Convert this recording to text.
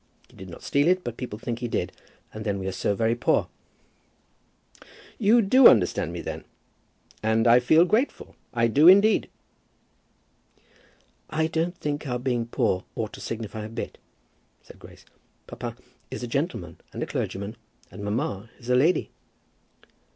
He did not steal it, but people think he did. And then we are so very poor." "You do understand me then, and I feel grateful; I do indeed." "I don't think our being poor ought to signify a bit," said Grace. "Papa is a gentleman and a clergyman, and mamma is a lady."